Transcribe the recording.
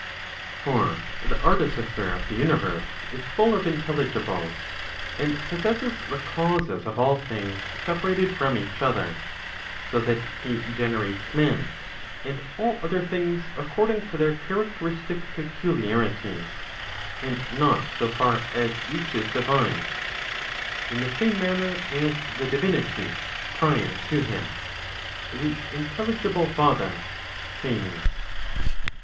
^or the artificer of the universe is full of intelligibles, and possesses the causes of all things separated from each other; so that he generates men, and all other things, according to their characteristic peculiarities, and not so far as each is divine, in the same manner as the divinity prior to him, the intelligible father Phanes."